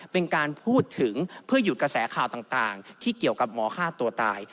เป็นการพูดถึงเพื่อหยุดกระแสข่าวต่างที่เกี่ยวกับหมอฆ่าตัวตาย